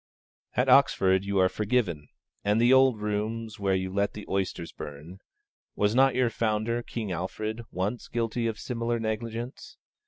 At Oxford you are forgiven; and the old rooms where you let the oysters burn (was not your founder, King Alfred, once guilty of similar negligence?)